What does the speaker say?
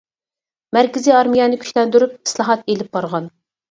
مەركىزى ئارمىيەنى كۈچلەندۈرۈپ، ئىسلاھات ئېلىپ بارغان.